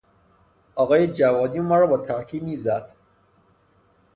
آقای جوادی ما را با ترکه میزد.